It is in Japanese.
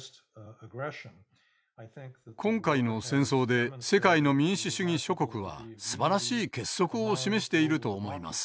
今回の戦争で世界の民主主義諸国はすばらしい結束を示していると思います。